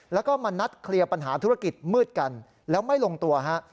แล้วก็มานัดเคลียร์ปัญหาธุรกิจมืดกันแล้วไม่ลงตัวฮะ